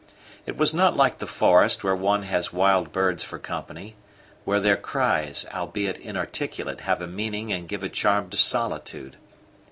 It was not like the forest, where one has wild birds for company, where their cries, albeit inarticulate, have a meaning and give a charm to solitude.